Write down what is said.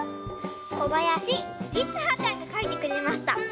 こばやしりつはちゃんがかいてくれました。